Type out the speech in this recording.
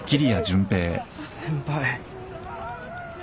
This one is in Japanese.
先輩。